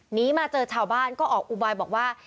หนีมาเจอชาวบ้านก็ออกอุบายบอกว่า